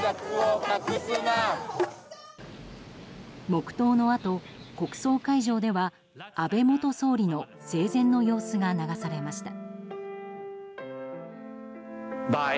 黙祷のあと、国葬会場では安倍元総理の生前の様子が流されました。